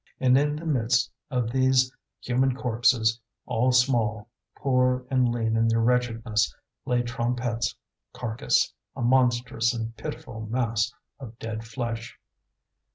And in the midst of these human corpses, all small, poor and lean in their wretchedness, lay Trompette's carcass, a monstrous and pitiful mass of dead flesh.